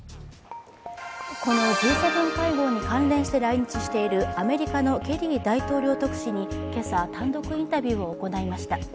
このＧ７会合に関連して来日しているアメリカのケリー大統領特使に今朝、単独インタビューを行いました。